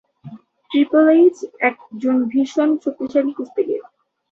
Triple H একজন ভীষণ শক্তিশালী কুস্তিগির।